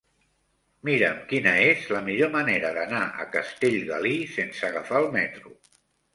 Mira'm quina és la millor manera d'anar a Castellgalí sense agafar el metro.